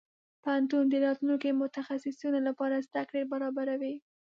پوهنتون د راتلونکي متخصصينو لپاره زده کړې برابروي.